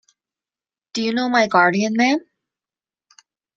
Do you know my guardian, ma'am?